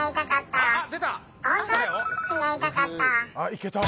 いけた！